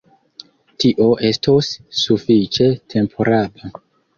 Tio estos sufiĉe temporaba.